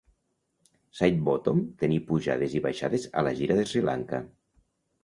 Sidebottom tenir pujades i baixades a la gira de Sri Lanka.